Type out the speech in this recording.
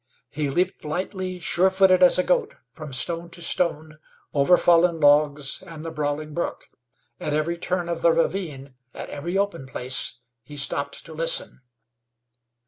He leaped lightly, sure footed as a goat, from stone to stone, over fallen logs, and the brawling brook. At every turn of the ravine, at every open place, he stopped to listen.